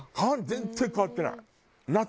全然変わってない。